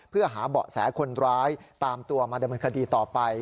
เพื่อหาเบาะแสคนร้ายตามตัวมาดำเนินคดีต่อไป